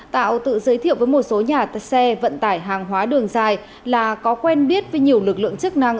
tạo tự giới thiệu với một số nhà xe vận tải hàng hóa đường dài là có quen biết với nhiều lực lượng chức năng